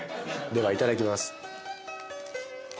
ではいただきます。